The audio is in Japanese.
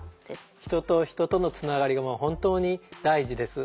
人と人とのつながりが本当に大事です。